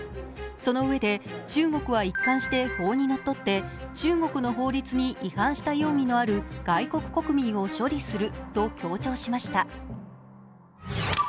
そのうえで、中国は一貫して法にのっとって中国の法律に違反した容疑のある外国国民を処理すると強調しました。